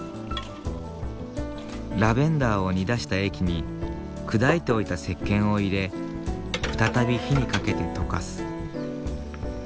ラベンダーを煮出した液に砕いておいたせっけんを入れ再び火にかけて溶かす。